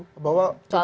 soal badan usaha itu